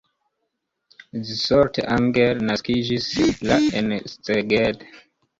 Zsolt Anger naskiĝis la en Szeged.